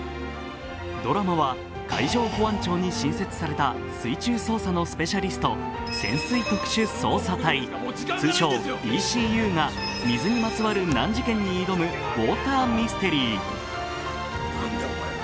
ドラマは海上保安庁に新設された水中捜査のスペシャリスト、潜水特殊捜査隊、通称・ＤＣＵが水にまつわる難事件に挑むウォーターミステリー。